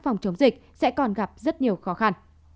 phòng chống dịch sẽ còn gặp rất nhiều khó khăn